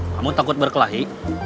kamu takut berkelahi